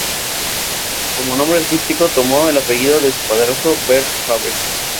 Como nombre artístico tomó el apellido de su padrastro, Bert Haver.